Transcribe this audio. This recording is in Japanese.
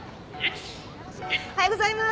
おはようございます！